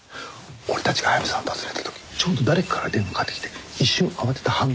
俺たちが早見さんを訪ねた時ちょうど誰かから電話かかってきて一瞬慌てた反応を見せたんです。